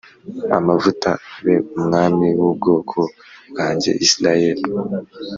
amavuta abe umwami w ubwoko bwanjye Isirayeli